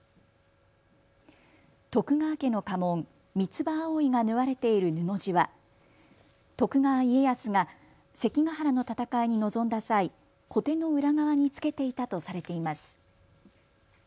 徳川家の家紋、三つ葉葵が縫われている布地は徳川家康が関ヶ原の戦いに臨んだ際、こての裏側につけていたとされています。